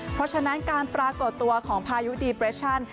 เพราะฉะนั้นการปรากฏตัวของพายุดีเปรชั่น